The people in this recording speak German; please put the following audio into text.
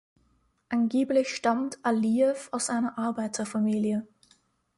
Angeblich stammt Əliyev aus einer Arbeiterfamilie.